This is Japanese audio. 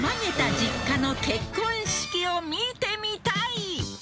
実家の結婚式を見てみたい！